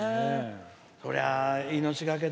そりゃ命懸けで。